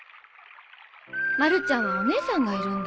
まるちゃんはお姉さんがいるんだ。